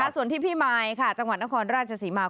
ส่วนที่พี่มายจังหวัดนครราชศรีมา